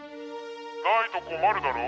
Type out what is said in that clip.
ないと困るだろ？